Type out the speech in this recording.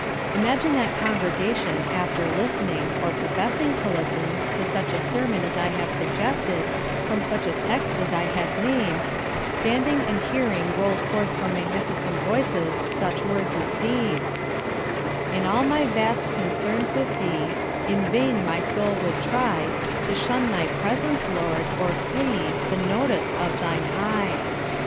Imagine that congregation after listening, or professing to listen, to such a sermon as I have suggested, from such a text as I have named, standing and hearing rolled forth from magnificent voices such words as these: "In all my vast concerns with thee, In vain my soul would try To shun thy presence, Lord, or flee The notice of thine eye.